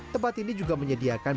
tempat ini juga menyediakan